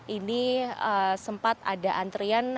ini sempat ada antrian